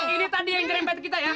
ini tadi yang nyerempet kita ya